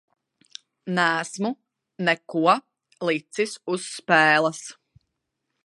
Neesmu neko licis uz spēles.